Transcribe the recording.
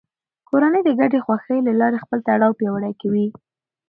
کورنۍ د ګډې خوښۍ له لارې خپل تړاو پیاوړی کوي